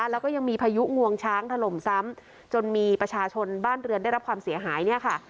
แล้วก็ยังมีพายุงวงช้างถล่มซ้ำจนมีประชาชนบ้านเรือนได้รับความเสียหายเนี่ยค่ะ